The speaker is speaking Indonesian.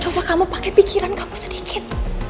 coba kamu pakai pikiran kamu sedikit